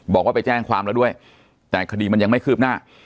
บอกว่าไปแจ้งความแล้วด้วยแต่คดีมันยังไม่คืบหน้า